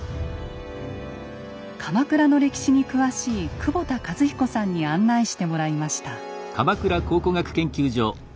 鎌倉の歴史に詳しい久保田和彦さんに案内してもらいました。